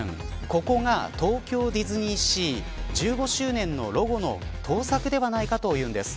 ここが、東京ディズニーシー１５周年のロゴの盗作ではないかというんです。